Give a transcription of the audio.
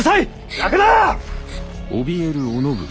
泣くな！